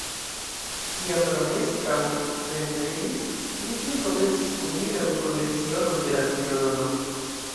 Kiam Romeskaŭ revenis, li tuj komencis kun mi la unuan lecionon je la violono.